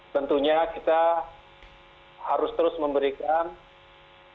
tentunya kita harus terus memberikan informasi